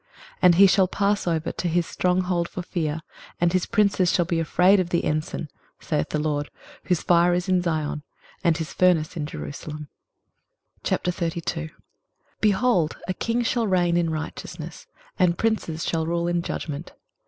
23:031:009 And he shall pass over to his strong hold for fear, and his princes shall be afraid of the ensign, saith the LORD, whose fire is in Zion, and his furnace in Jerusalem. 23:032:001 Behold, a king shall reign in righteousness, and princes shall rule in judgment.